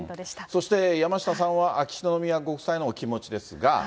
そして、山下さんは秋篠宮ご夫妻のお気持ちですが。